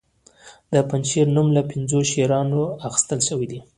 د پنجشیر نوم له پنځو شیرانو اخیستل شوی